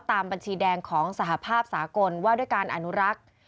ตามบัญชีแดงของสหภาพสากลว่าด้วยการอนุรักษ์